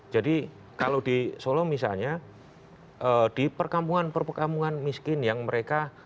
jadi kalau di solo misalnya di perkampungan perkampungan miskin yang mereka